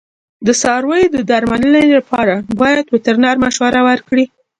د څارویو د درملنې لپاره باید وترنر مشوره ورکړي.